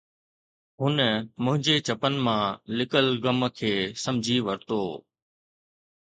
هن منهنجي چپن مان لڪل غم کي سمجهي ورتو